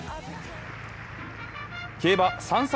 競馬、３才